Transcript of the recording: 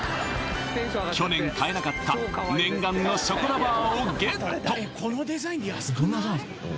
去年買えなかった念願のショコラバーをゲット